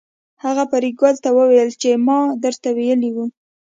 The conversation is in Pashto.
هغه فریدګل ته وویل چې ما درته ویلي وو